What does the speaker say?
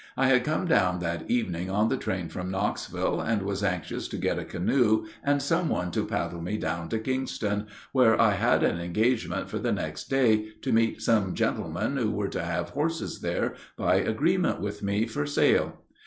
I had come down that evening on the train from Knoxville, and was anxious to get a canoe and some one to paddle me down to Kingston, where I had an engagement for the next day to meet some gentlemen who were to have horses there, by agreement with me, for sale.